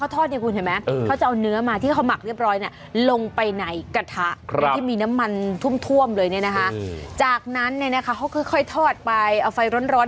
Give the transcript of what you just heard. ท่วมเลยเนี่ยนะคะจากนั้นเนี่ยนะคะเขาค่อยทอดไปเอาไฟร้อน